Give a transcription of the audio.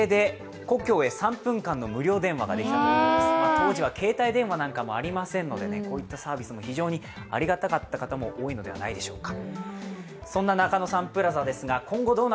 当時は携帯電話なんかもありませんのでこういったサービスも非常にありがたかった方も多いのではないでしょうか。